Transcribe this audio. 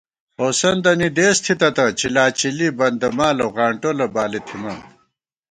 ہوسَندَنی دېس تھِتہ تہ، چِلاچِلی بندَمال اؤ غانٹولہ بالی تھِمان